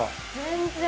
全然！